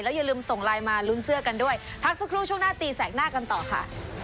อย่าลืมส่งไลน์มาลุ้นเสื้อกันด้วยพักสักครู่ช่วงหน้าตีแสกหน้ากันต่อค่ะ